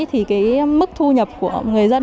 thì cái mức thu nhập của người dân